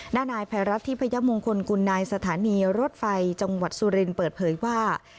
หน้านายแผนรัฐที่พญมงคลกุณายสถานีรถไฟจังหวัดสุรินเปิดเพย์ว่า